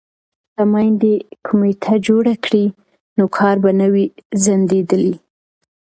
که میندې کمیټه جوړه کړي نو کار به نه وي ځنډیدلی.